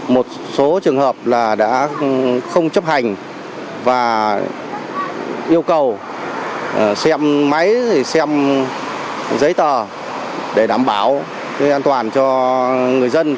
một số trường hợp là đã không chấp hành và yêu cầu xem máy xem giấy tờ để đảm bảo an toàn cho người dân